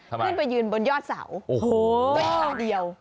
ขึ้นไปยืนบนยอดเสาโอ้โหด้วยท่าเดียว